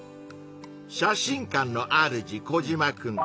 写真館のあるじコジマくん。